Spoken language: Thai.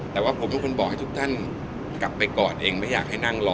แต่ว่าผมเป็นคนบอกให้ทุกท่านกลับไปก่อนเองไม่อยากให้นั่งรอ